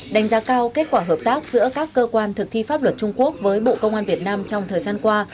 đánh giá cao kết quả hợp tác giữa các cơ quan thực thi pháp luật trung quốc với bộ công an việt nam trong thời gian qua